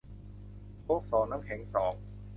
โค้กสอง น้ำแข็งสอง